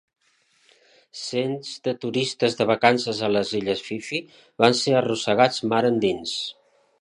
Cents de turistes de vacances a les Illes Phi Phi van ser arrossegats mar endins.